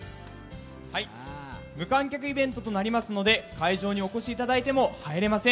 無観客イベントとなりますので、会場にお越しいただいても入れません。